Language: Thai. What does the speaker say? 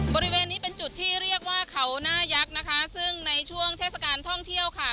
บริเวณนี้เป็นจุดที่เรียกว่าเขาหน้ายักษ์นะคะซึ่งในช่วงเทศกาลท่องเที่ยวค่ะ